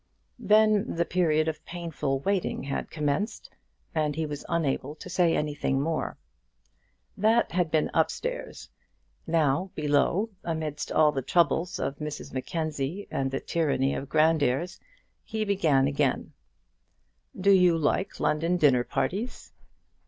Then the period of painful waiting had commenced, and he was unable to say anything more. That had been upstairs. Now below, amidst all the troubles of Mrs Mackenzie and the tyranny of Grandairs, he began again: "Do you like London dinner parties?"